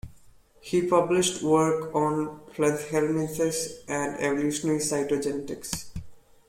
He published work on platyhelminths and evolutionary cytogenetics.